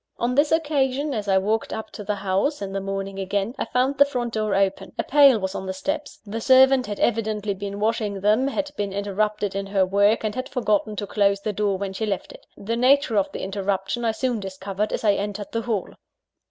On this occasion, as I walked up to the house (in the morning again), I found the front door open. A pail was on the steps the servant had evidently been washing them, had been interrupted in her work, and had forgotten to close the door when she left it. The nature of the interruption I soon discovered as I entered the hall.